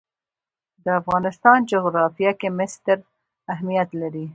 د افغانستان جغرافیه کې مس ستر اهمیت لري.